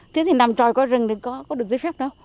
tức là làm tròi qua rừng thì có được giấy phép đâu